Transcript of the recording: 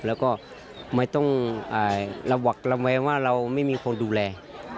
แล้วก็ไม่ต้องระหวัดระแวงว่าเราไม่มีคนดูแล